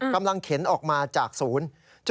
กำลังเข็นออกมาจากศูนย์